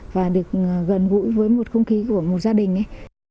còn gần gũi với một không khí của một gia đình ấy